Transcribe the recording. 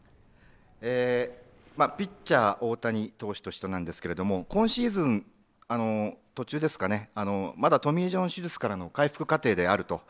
ピッチャー大谷投手としてなんですけれども、今シーズン途中ですかねまだトミー・ジョン手術からの回復過程であると。